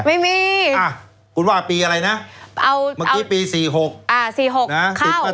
นี่คุณว่าปีอะไรมั้ย